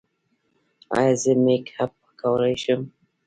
ایا زه میک اپ کولی شم؟